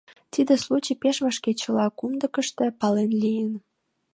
Тиде случай пеш вашке чыла кумдыкышто пале лийын.